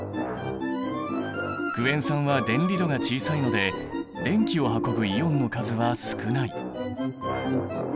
クエン酸は電離度が小さいので電気を運ぶイオンの数は少ない。